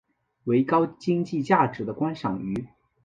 为高经济价值的观赏鱼。